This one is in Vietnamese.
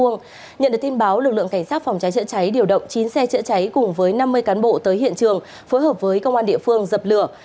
nhận được tin báo lực lượng cảnh sát phòng cháy chữa cháy điều động chín xe chữa cháy cùng với năm mươi cán bộ tới hiện trường phối hợp với công an địa phương dập lửa